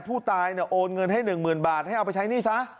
ผู้ตายโอนเงินให้๑๐๐๐บาทให้เอาไปใช้หนี้ซะ